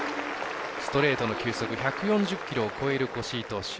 ストレートの球速１４０キロを超える越井投手。